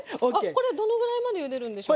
これどのぐらいまでゆでるんでしょう。